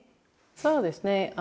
そうですね。